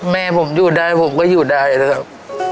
แม่ผมอยู่ได้ผมก็อยู่ได้นะครับ